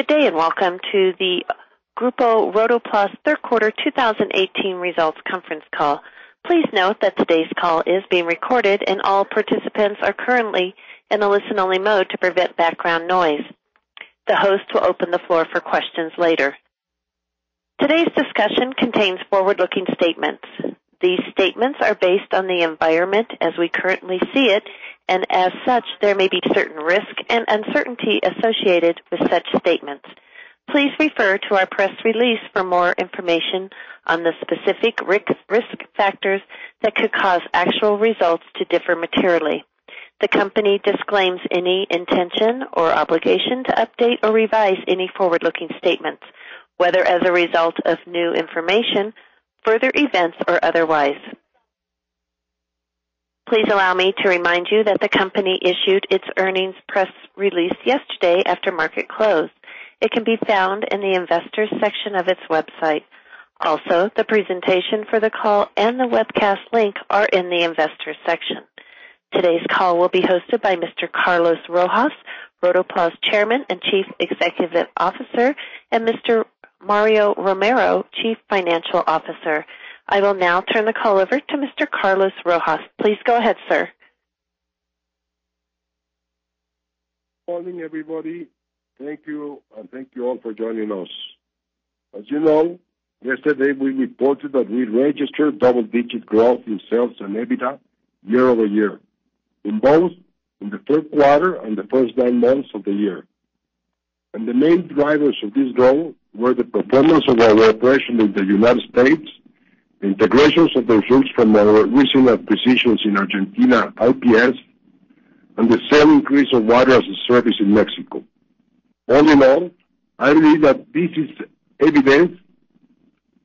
Good day, welcome to the Grupo Rotoplas third quarter 2018 results conference call. Please note that today's call is being recorded, and all participants are currently in a listen-only mode to prevent background noise. The host will open the floor for questions later. Today's discussion contains forward-looking statements. These statements are based on the environment as we currently see it, and as such, there may be certain risk and uncertainty associated with such statements. Please refer to our press release for more information on the specific risk factors that could cause actual results to differ materially. The company disclaims any intention or obligation to update or revise any forward-looking statements, whether as a result of new information, further events, or otherwise. Please allow me to remind you that the company issued its earnings press release yesterday after market close. It can be found in the investors section of its website. Also, the presentation for the call and the webcast link are in the investors section. Today's call will be hosted by Mr. Carlos Rojas, Rotoplas Chairman and Chief Executive Officer, and Mr. Mario Romero, Chief Financial Officer. I will now turn the call over to Mr. Carlos Rojas. Please go ahead, sir. Morning, everybody. Thank you, and thank you all for joining us. As you know, yesterday we reported that we registered double-digit growth in sales and EBITDA year-over-year in both the third quarter and the first nine months of the year. The main drivers of this growth were the performance of our operation in the U.S., the integrations of the groups from our recent acquisitions in Argentina IPS, and the sale increase of water as a service in Mexico. All in all, I believe that this is evidence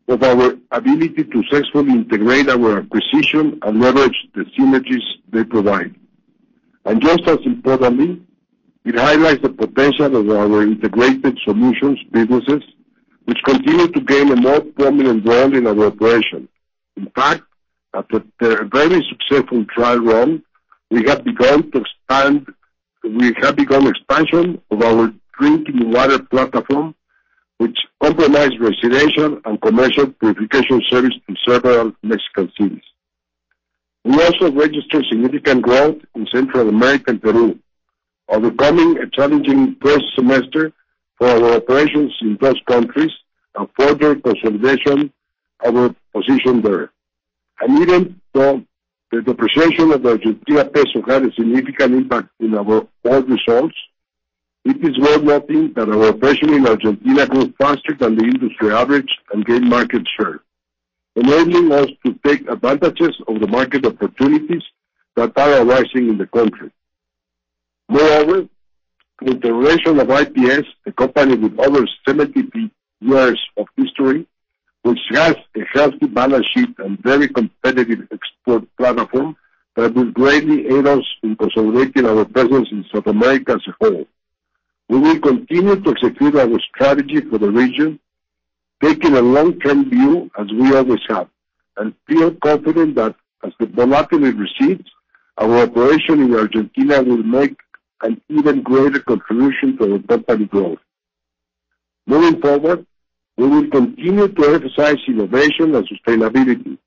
of our ability to successfully integrate our acquisition and leverage the synergies they provide. Just as importantly, it highlights the potential of our integrated solutions businesses, which continue to gain a more prominent role in our operation. In fact, after the very successful trial run, we have begun expansion of our drinking water platform, which comprises residential and commercial purification service in several Mexican cities. We also registered significant growth in Central America and Peru, overcoming a challenging first semester for our operations in those countries and further consolidation of our position there. Even though the depreciation of ARS had a significant impact in our fourth results, it is worth noting that our operation in Argentina grew faster than the industry average and gained market share, enabling us to take advantages of the market opportunities that are arising in the country. Moreover, with the acquisition of IPS, a company with over 70 years of history, which has a healthy balance sheet and very competitive export platform that will greatly aid us in consolidating our presence in South America as a whole. We will continue to execute our strategy for the region, taking a long-term view as we always have, feel confident that as the volatility recedes, our operation in Argentina will make an even greater contribution to the company growth. Moving forward, we will continue to emphasize innovation and sustainability.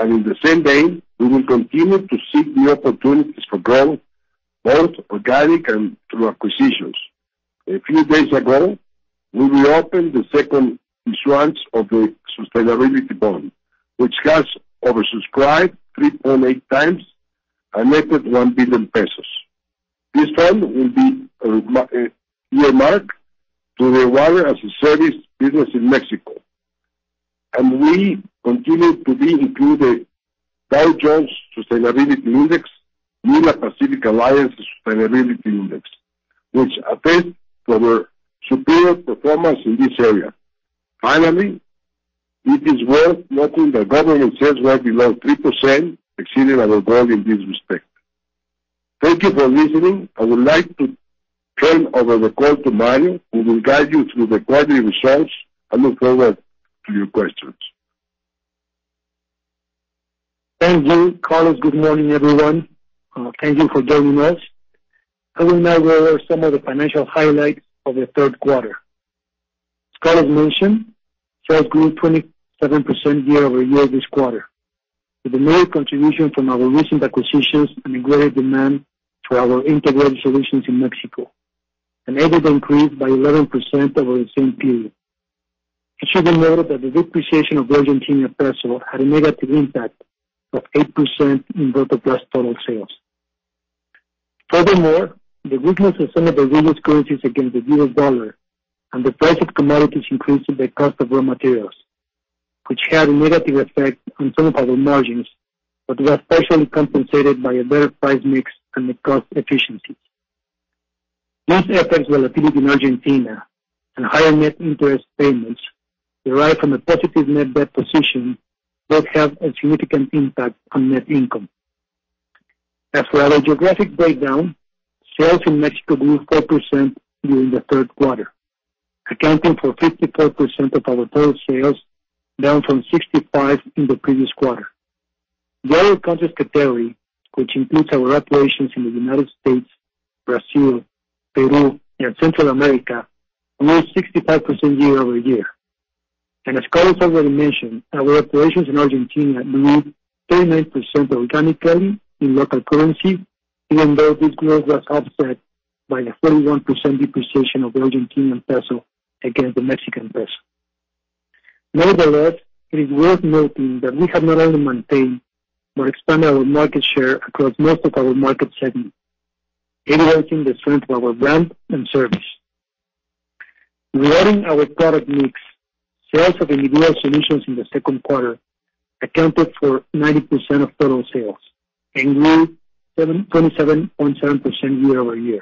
In the same vein, we will continue to seek new opportunities for growth, both organic and through acquisitions. A few days ago, we reopened the second issuance of the sustainability bond, which has oversubscribed 3.8 times, equaled 1 billion pesos. This fund will be earmarked to the water as a service business in Mexico. We continue to be included Dow Jones Sustainability Index and the Pacific Alliance Sustainability Index, which attest to our superior performance in this area. Finally, it is worth noting that government sales were below 3%, exceeding our goal in this respect. Thank you for listening. I would like to turn over the call to Mario, who will guide you through the quarterly results. I look forward to your questions. Thank you, Carlos. Good morning, everyone. Thank you for joining us. I will now go over some of the financial highlights of the third quarter. As Carlos mentioned, sales grew 27% year-over-year this quarter, with a major contribution from our recent acquisitions and a greater demand for our integrated solutions in Mexico. EBITDA increased by 11% over the same period. It should be noted that the depreciation of Argentina peso had a negative impact of 8% in Rotoplas' total sales. Furthermore, the weakness of some of the various currencies against the US dollar and the price of commodities increased the cost of raw materials, which had a negative effect on some of our margins, but were partially compensated by a better price mix and the cost efficiency. These effects, volatility in Argentina, and higher net interest payments derived from a positive net debt position both have a significant impact on net income. As for our geographic breakdown, sales in Mexico grew 4% during the third quarter, accounting for 54% of our total sales, down from 65% in the previous quarter. The other countries category, which includes our operations in the U.S., Brazil, Peru, and Central America, grew 65% year-over-year. As Carlos already mentioned, our operations in Argentina grew 39% organically in local currency, even though this growth was offset by the 31% depreciation of the ARS against the MXN. Nevertheless, it is worth noting that we have not only maintained but expanded our market share across most of our market segments, indicating the strength of our brand and service. Regarding our product mix, sales of integrated solutions in the second quarter accounted for 90% of total sales and grew 27.7% year-over-year.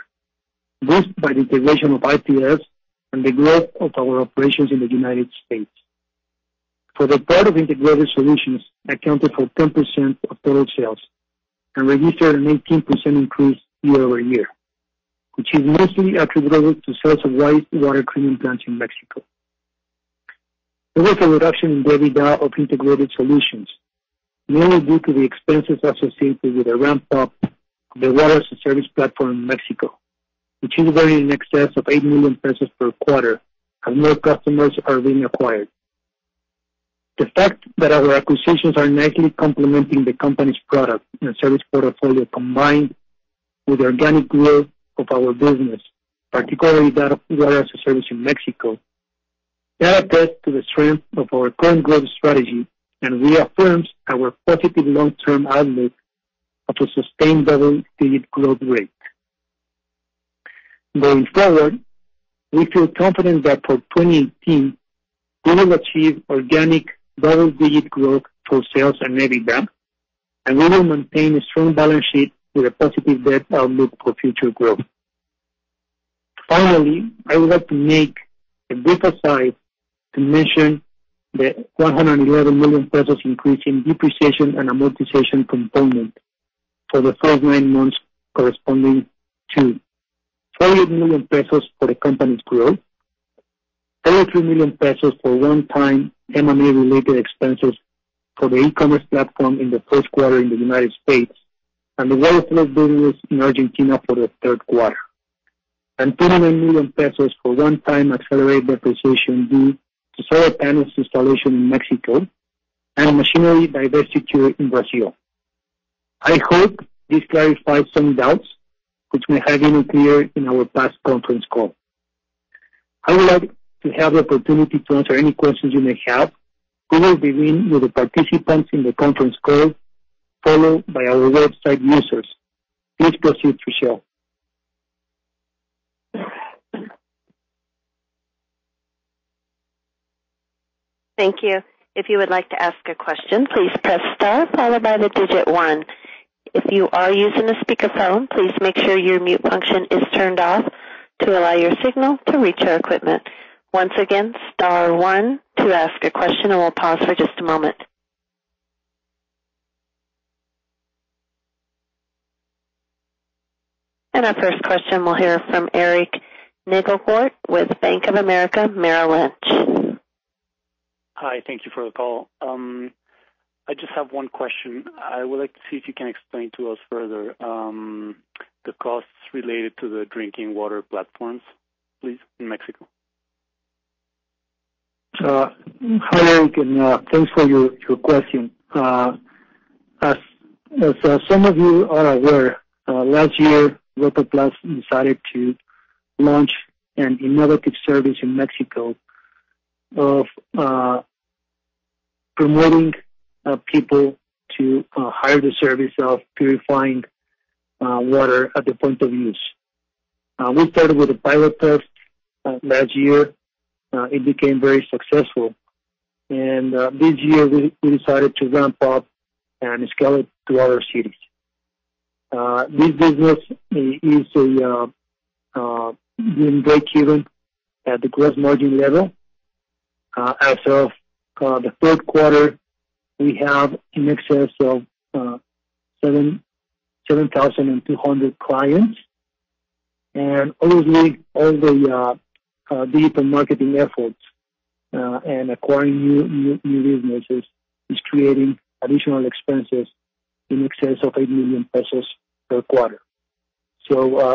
This, by the integration of IPS and the growth of our operations in the U.S. For the part of integrated solutions accounted for 10% of total sales and registered an 18% increase year-over-year, which is mostly attributable to sales of waste water treatment plants in Mexico. There was a reduction in EBITDA of integrated solutions, mainly due to the expenses associated with the ramp-up of the water as a service platform in Mexico, which is varying in excess of 8 million pesos per quarter as more customers are being acquired. The fact that our acquisitions are nicely complementing the company's product and service portfolio, combined with the organic growth of our business, particularly that of water as a service in Mexico, that attests to the strength of our current growth strategy and reaffirms our positive long-term outlook of a sustainable digit growth rate. Going forward, we feel confident that for 2018, we will achieve organic double-digit growth for sales and EBITDA, and we will maintain a strong balance sheet with a positive debt outlook for future growth. Finally, I would like to make a brief aside to mention the 111 million pesos increase in depreciation and amortization component for the first nine months, corresponding to 48 million pesos for the company's growth, 33 million pesos for one-time M&A related expenses for the e-commerce platform in the first quarter in the U.S. and the waterless business in Argentina for the third quarter, and 29 million pesos for one-time accelerated depreciation due to solar panels installation in Mexico and machinery divestiture in Brazil. I hope this clarifies some doubts which may have been unclear in our past conference call. I would like to have the opportunity to answer any questions you may have. We will begin with the participants in the conference call, followed by our website users. Please proceed, Michelle. Thank you. If you would like to ask a question, please press star followed by the digit 1. If you are using a speakerphone, please make sure your mute function is turned off to allow your signal to reach our equipment. Once again, star one to ask a question, and we'll pause for just a moment. Our first question we'll hear from Eric Neguelouart with Bank of America Merrill Lynch. Hi. Thank you for the call. I just have one question. I would like to see if you can explain to us further the costs related to the drinking water platforms, please, in Mexico. Hi, Eric, thanks for your question. As some of you are aware, last year, Rotoplas decided to launch an innovative service in Mexico of promoting people to hire the service of purifying water at the point of use. We started with a pilot test last year. It became very successful. This year we decided to ramp up and scale it to other cities. This business is being breakeven at the gross margin level. As of the third quarter, we have in excess of 7,200 clients. Although the lead and marketing efforts and acquiring new businesses is creating additional expenses in excess of 8 million pesos per quarter.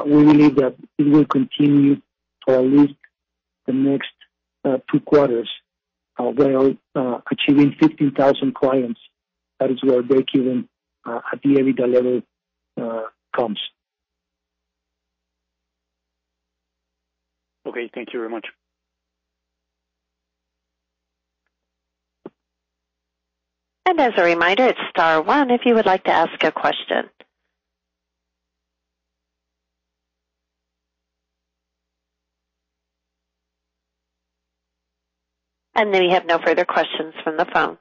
We believe that it will continue for at least the next two quarters, although achieving 15,000 clients, that is where breakeven at the EBITDA level comes. Okay. Thank you very much. As a reminder, it's star one if you would like to ask a question. We have no further questions from the phone.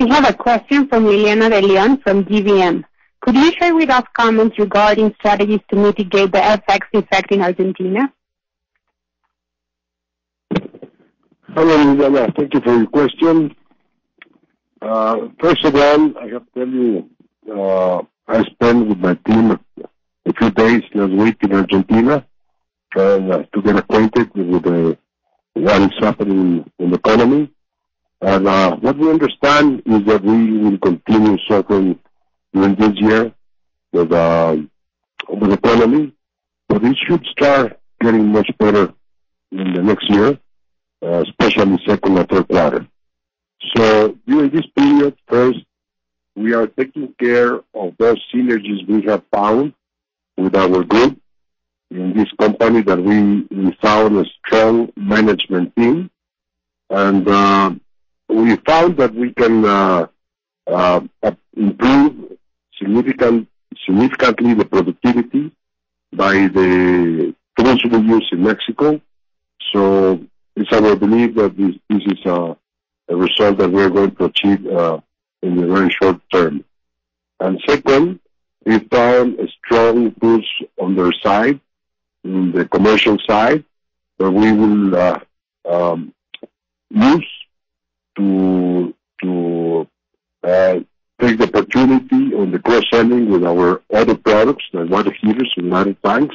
We have a question from Liliana De Leon from GBM. Could you share with us comments regarding strategies to mitigate the FX effect in Argentina? Hello, Liliana. Thank you for your question. First of all, I have to tell you, I spent with my team a few days last week in Argentina To get acquainted with what is happening in the economy. What we understand is that we will continue suffering during this year with the economy, it should start getting much better in the next year, especially second and third quarter. During this period, first, we are taking care of those synergies we have found with our group in this company, that we found a strong management team. We found that we can improve significantly the productivity by the transferable use in Mexico. It's our belief that this is a result that we are going to achieve in the very short term. Second, we found a strong boost on their side, in the commercial side, that we will use to take the opportunity on the cross-selling with our other products, like water heaters and water tanks.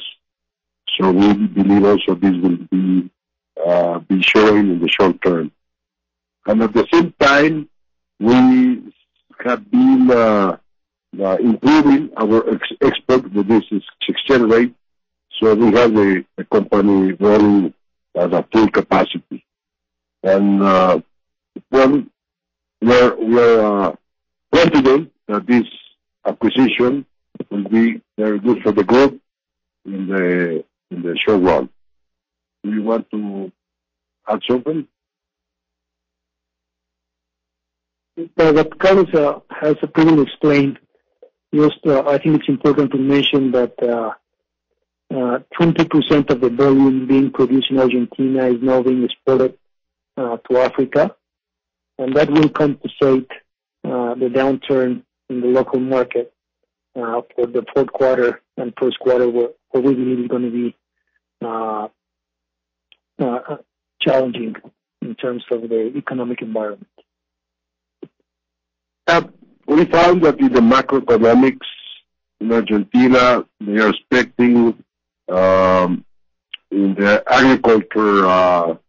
We believe also this will be showing in the short term. At the same time, we have been improving our export that this is generate. We have a company running at a full capacity. One, we're confident that this acquisition will be very good for the group in the short run. Do you want to add something? What Carlos Rojas has explained, I think it's important to mention that 20% of the volume being produced in Argentina is now being exported to Africa. That will compensate the downturn in the local market for the fourth quarter and first quarter, where we believe is going to be challenging in terms of the economic environment. We found that in the macroeconomics in Argentina, they are expecting in the agriculture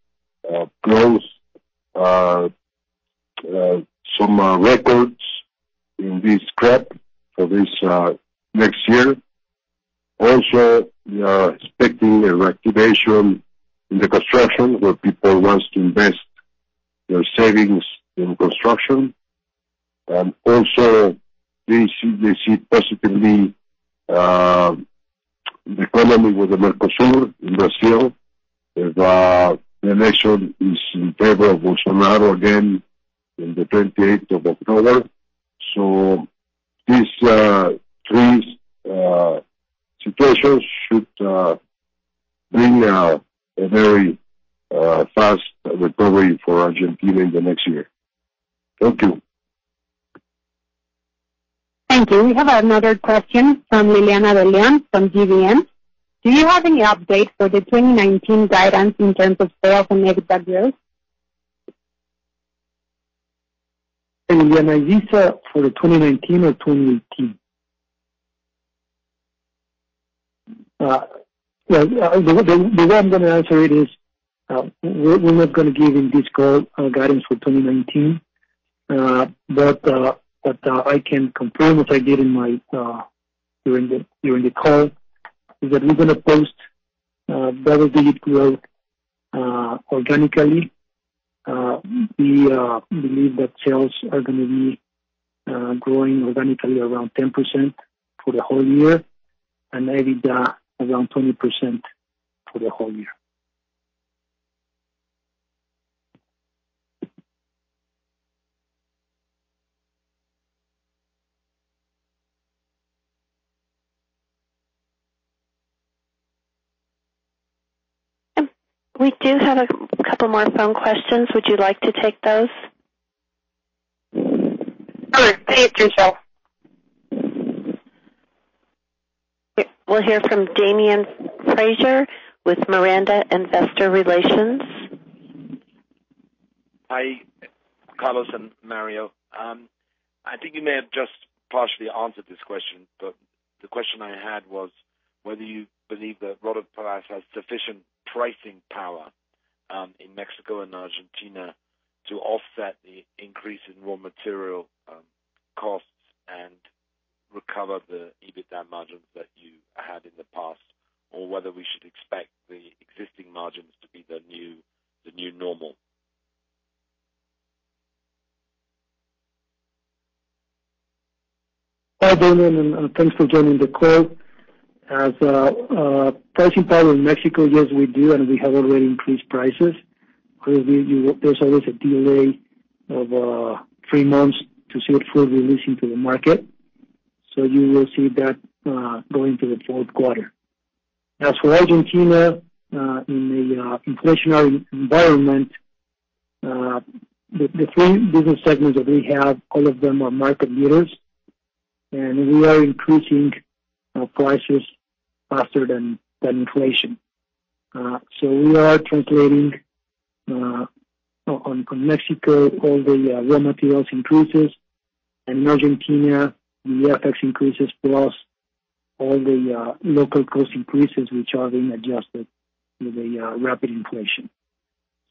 close some records in this crop for this next year. Also, we are expecting a reactivation in the construction, where people wants to invest their savings in construction. Also, they see positively the economy with the Mercosur in Brazil, that the election is in favor of Bolsonaro again in the 28th of October. These three situations should bring a very fast recovery for Argentina in the next year. Thank you. Thank you. We have another question from Liliana De Leon from GBM. Do you have any update for the 2019 guidance in terms of sales and EBITDA? Liliana, is this for 2019 or 2018? The way I'm going to answer it is, we're not going to give in this call guidance for 2019. I can confirm what I did during the call, is that we're going to post double-digit growth organically. We believe that sales are going to be growing organically around 10% for the whole year, and EBITDA around 20% for the whole year. We do have a couple more phone questions. Would you like to take those? Sure. Please do so. We'll hear from Damian Fraser with Miranda Investor Relations. Hi, Carlos and Mario. I think you may have just partially answered this question, but the question I had was whether you believe that Rotoplas has sufficient pricing power in Mexico and Argentina to offset the increase in raw material costs and recover the EBITDA margins that you had in the past, or whether we should expect the existing margins to be the new normal. Hi, Damian. Thanks for joining the call. Pricing power in Mexico, yes, we do. We have already increased prices. There's always a delay of three months to see it fully released into the market. You will see that going through the fourth quarter. For Argentina, in the inflationary environment, the three business segments that we have, all of them are market leaders. We are increasing our prices faster than inflation. We are translating, on Mexico, all the raw materials increases. In Argentina, the FX increases plus all the local cost increases, which are being adjusted to the rapid inflation.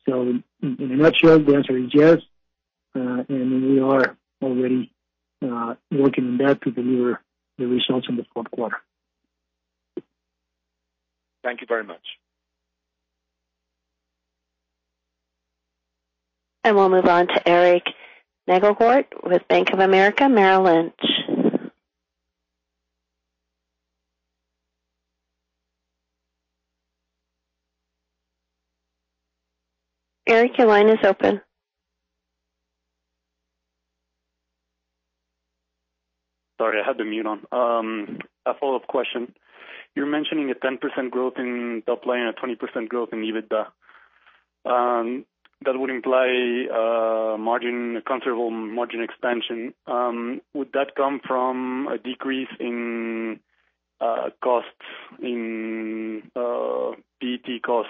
In a nutshell, the answer is yes. We are already working on that to deliver the results in the fourth quarter. Thank you very much. We'll move on to Eric Neguelouart with Bank of America Merrill Lynch. Eric, your line is open. Sorry, I had the mute on. A follow-up question. You're mentioning a 10% growth in top line, a 20% growth in EBITDA. That would imply a considerable margin expansion. Would that come from a decrease in PET costs,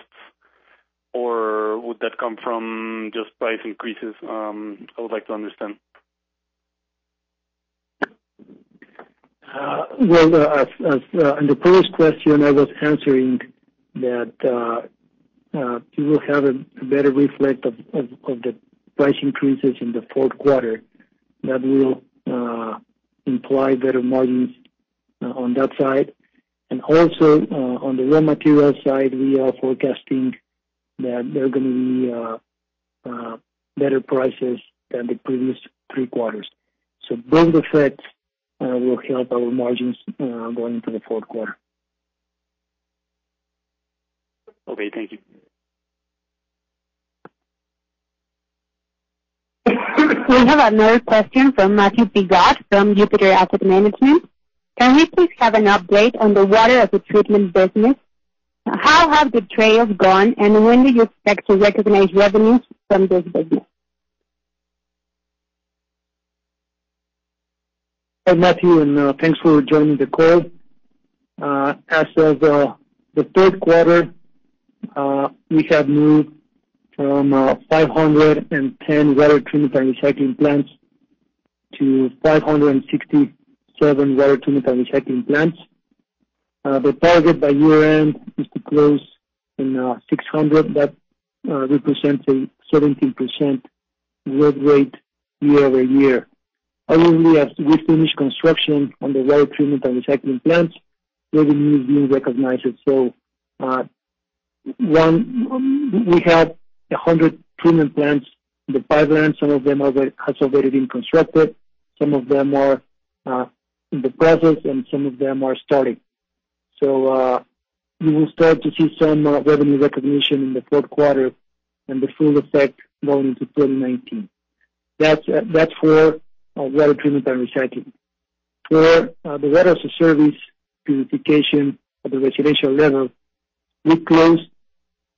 or would that come from just price increases? I would like to understand. As in the first question I was answering, that we will have a better reflect of the price increases in the fourth quarter. That will imply better margins on that side. Also, on the raw material side, we are forecasting that there are going to be better prices than the previous three quarters. Both effects will help our margins going into the fourth quarter. Okay, thank you. We have another question from Matthew Biggs from Jupiter Asset Management. Can we please have an update on the water as a treatment business? How have the trials gone, and when do you expect to recognize revenues from this business? Hi, Matthew, and thanks for joining the call. As of the third quarter, we have moved from 510 water treatment and recycling plants to 567 water treatment and recycling plants. The target by year-end is to close in 600. That represents a 17% growth rate year-over-year. As we finish construction on the water treatment and recycling plants, revenue is being recognized. We have 100 treatment plants in the pipeline. Some of them has already been constructed, some of them are in the process, and some of them are starting. We will start to see some revenue recognition in the fourth quarter and the full effect going into 2019. That's for water treatment and recycling. For the water as a service purification at the residential level, we closed,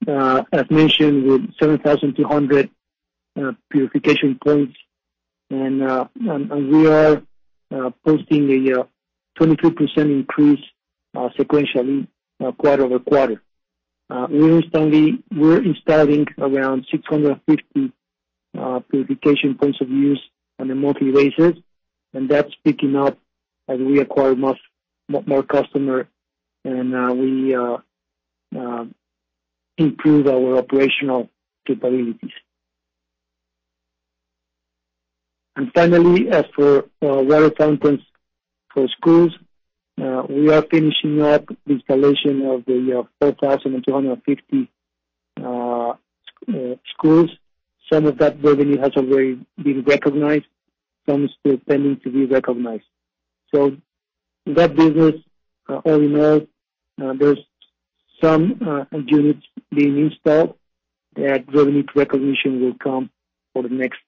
as mentioned, with 7,200 purification plants, we are posting a 23% increase sequentially quarter-over-quarter. We're installing around 650 purification points of use on a monthly basis, that's picking up as we acquire more customer and we improve our operational capabilities. Finally, as for water fountains for schools, we are finishing up installation of the 4,250 schools. Some of that revenue has already been recognized. Some is still pending to be recognized. In that business, all in all, there's some units being installed that revenue recognition will come for the next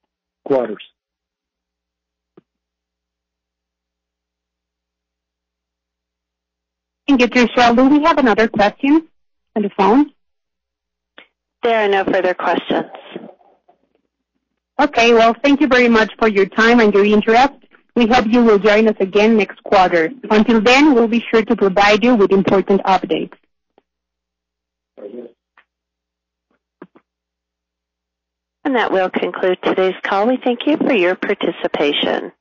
quarters. Thank you, Michelle. Do we have another question on the phone? There are no further questions. Okay. Well, thank you very much for your time and your interest. We hope you will join us again next quarter. Until then, we'll be sure to provide you with important updates. Thank you. That will conclude today's call. We thank you for your participation.